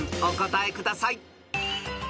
お答えください］